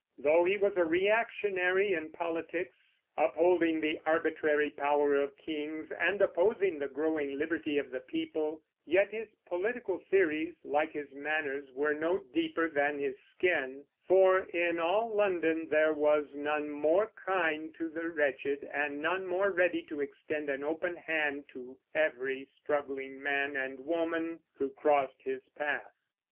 Though he was a reactionary in politics, upholding the arbitrary power of kings and opposing the growing liberty of the people, yet his political theories, like his manners, were no deeper than his skin; for in all London there was none more kind to the wretched, and none more ready to extend an open hand to every struggling man and woman who crossed his path.